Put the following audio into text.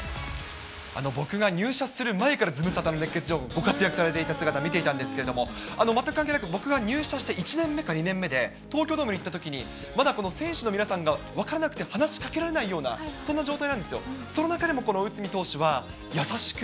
僕が入社する前から、ズムサタの熱ケツ情報でご活躍されている姿見ていたんですけれども、全く関係なく、僕が入社して１年目か２年目で、東京ドームに行ったときに、まだこの選手の皆さんが分からなくて話しかけられないような、そんな状態なんですよ、その中でも、この内海投手は、優しく、